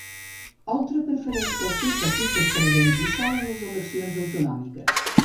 Oltra prefereix que el seu partit es presenti sol a les eleccions autonòmiques.